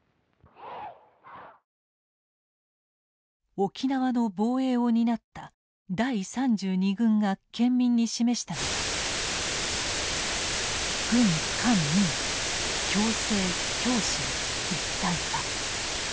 沖縄の防衛を担った第３２軍が県民に示したのが「軍官民共生共死の一体化」。